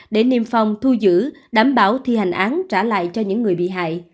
để niêm phong thu giữ đảm bảo thi hành án trả lại cho những người bị hại